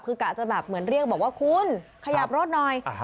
คือกะจะแบบเหมือนเรียกบอกว่าคุณขยับรถหน่อย